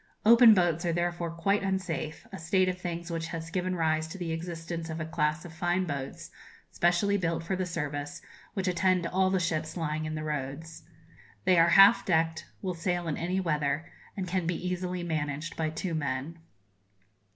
Open boats are therefore quite unsafe, a state of things which has given rise to the existence of a class of fine boats, specially built for the service, which attend all the ships lying in the roads. They are half decked, will sail in any weather, and can be easily managed by two men.